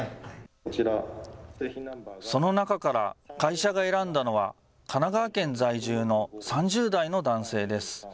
その中から会社が選んだのは、神奈川県在住の３０代の男性です。